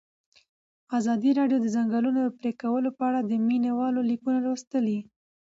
ازادي راډیو د د ځنګلونو پرېکول په اړه د مینه والو لیکونه لوستي.